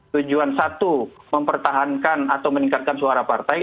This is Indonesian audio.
tujuan satu mempertahankan atau meningkatkan suara partai